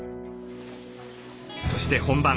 そして本番。